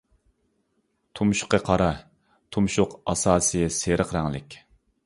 تۇمشۇقى قارا، تۇمشۇق ئاساسى سېرىق رەڭلىك.